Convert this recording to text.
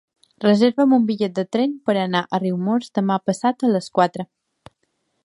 Reserva'm un bitllet de tren per anar a Riumors demà passat a les quatre.